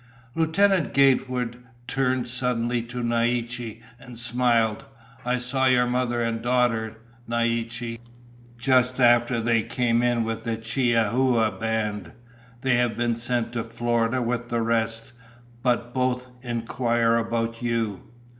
Lieutenant Gatewood turned suddenly to Naiche and smiled. "I saw your mother and daughter, Naiche, just after they came in with Chihuahua's band. They have been sent to Florida with the rest, but both inquired about you."